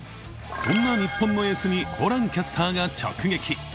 そんな日本のエースにホランキャスターが直撃。